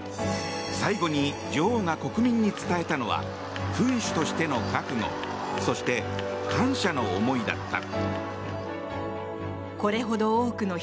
最後に女王が国民に伝えたのは君主としての覚悟そして感謝の思いだった。